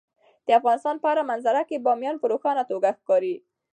د افغانستان په هره منظره کې بامیان په روښانه توګه ښکاري.